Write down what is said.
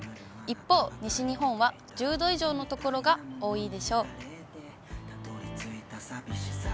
一方、西日本は１０度以上の所が多いでしょう。